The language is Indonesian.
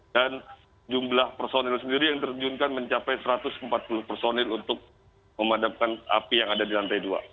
dan jumlah personil sendiri yang terjunkan mencapai satu ratus empat puluh personil untuk memadamkan api yang ada di lantai dua